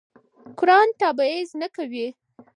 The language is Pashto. قرآن تبعیض نه کوي.